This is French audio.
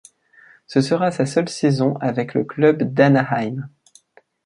Ce sera sa seule saison avec le club d'Anaheim.